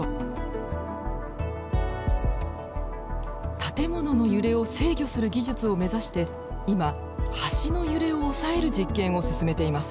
建物の揺れを制御する技術を目指して今橋の揺れを抑える実験を進めています。